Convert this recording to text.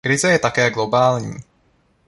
Krize je také globální.